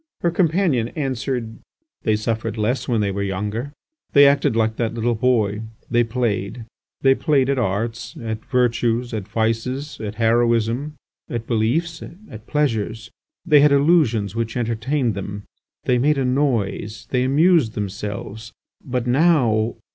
Her companion answered: "They suffered less when they were younger. They acted like that little boy: they played; they played at arts, at virtues, at vices, at heroism, at beliefs, at pleasures; they had illusions which entertained them; they made a noise; they amused themselves. But now.